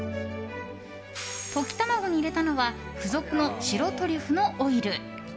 溶き卵に入れたのは付属の白トリュフのオイル。